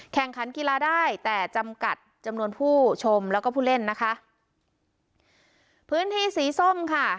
แข่งขันกีฬาได้แต่จำกัดจำนวนผู้ชมแล้วก็ผู้เล่นนะคะพื้นที่สีส้มค่ะ